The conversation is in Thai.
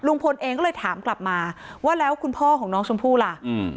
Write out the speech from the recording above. เองก็เลยถามกลับมาว่าแล้วคุณพ่อของน้องชมพู่ล่ะอืม